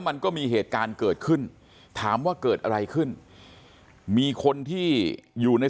มันก็มีเหตุการณ์เกิดขึ้นถามว่าเกิดอะไรขึ้นมีคนที่อยู่ใน